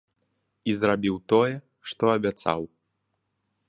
І зрабіў тое, што абяцаў.